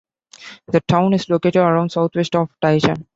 The town is located around southwest of Taishan.